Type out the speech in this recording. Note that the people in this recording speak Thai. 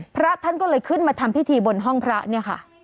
พระท่านก็เลยขึ้นมาทำพิธีบนห้องพระเนี่ยค่ะ